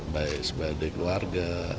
baik sebagai keluarga